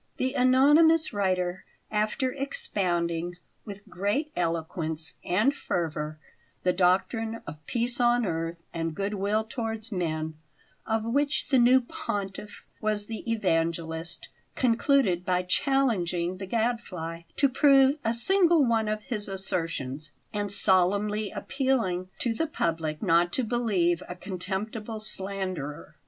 The anonymous writer, after expounding, with great eloquence and fervour, the doctrine of peace on earth and good will towards men, of which the new Pontiff was the evangelist, concluded by challenging the Gadfly to prove a single one of his assertions, and solemnly appealing to the public not to believe a contemptible slanderer.